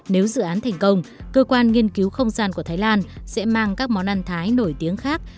nếu dự án thành công cơ quan nghiên cứu không gian của thái lan sẽ mang các món ăn thái nổi tiếng khác